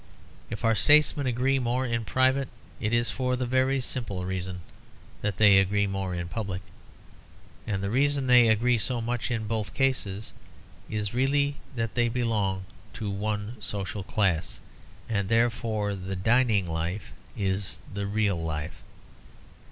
If our statesmen agree more in private, it is for the very simple reason that they agree more in public. And the reason they agree so much in both cases is really that they belong to one social class; and therefore the dining life is the real life.